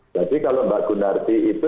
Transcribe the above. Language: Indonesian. jadi kalau mbak gunarti itu